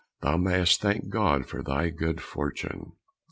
Thou mayst thank God for thy good fortune!"